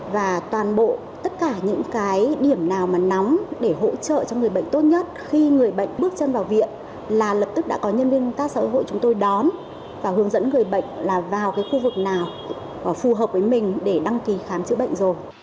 và toàn bộ tất cả những cái điểm nào mà nóng để hỗ trợ cho người bệnh tốt nhất khi người bệnh bước chân vào viện là lập tức đã có nhân viên các xã hội chúng tôi đón và hướng dẫn người bệnh là vào cái khu vực nào phù hợp với mình để đăng ký khám chữa bệnh rồi